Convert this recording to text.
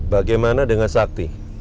bagaimana dengan sakti